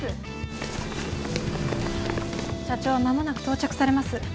社長は間もなく到着されます。